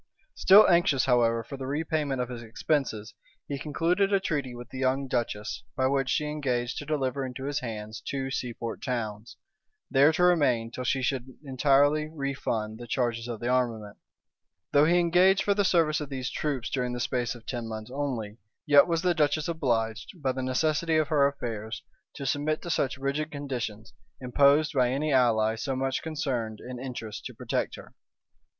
{1489.} Still anxious, however, for the repayment of his expenses, he concluded a treaty with the young duchess, by which she engaged to deliver into his hands two seaport towns, there to remain till she should entirely refund the charges of the armament.[*] * Du Tillet, Recueil des Traités. Though he engaged for the service of these troops during the space of ten months only, yet was the duchess obliged, by the necessity of her affairs, to submit to such rigid conditions, imposed by any ally so much concerned in interest to protect her.